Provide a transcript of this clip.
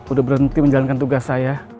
udah berhenti menjalankan tugas saya